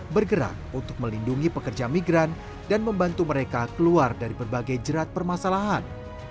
bergerak untuk melindungi pekerja migran dan membantu mereka keluar dari berbagai jerat permasalahan